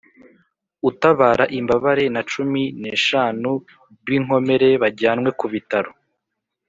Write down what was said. utabara imbabare na cumi n' shanu b'inkomere bajyanwe ku bitaro